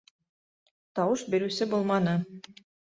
Тауыш биреүсе булманы.